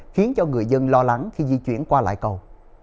khiến cho người dân lo lắng khi di chuyển qua lại cầu